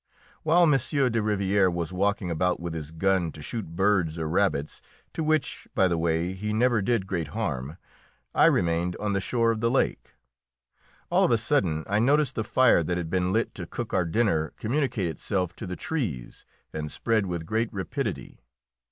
While M. de Rivière was walking about with his gun to shoot birds or rabbits to which, by the way, he never did great harm I remained on the shore of the lake. All of a sudden I noticed the fire that had been lit to cook our dinner communicate itself to the trees and spread with great rapidity.